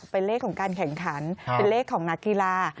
เป็นเลขของการแข่งขันเป็นเลขของนักกีฬา